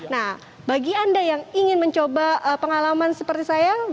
nah bagi anda yang ingin mencoba pengalaman seperti saya